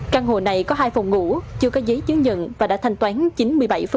căn hộ này có hai phòng ngủ chưa có giấy chứng nhận và đã thanh toán chín mươi bảy